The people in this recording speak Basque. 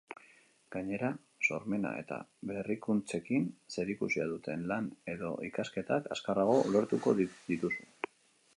Gainera, sormena eta berrikuntzekin zerikusia duten lan edo ikasketak azkarrago ulertuko dituzu.